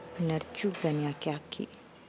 bener juga nih aki aki